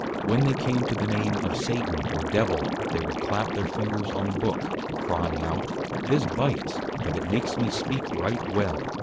_ When they came to the Name of Satan, or Devil, they would clap their Fingers on the Book, crying out, _This bites, but it makes me speak right well!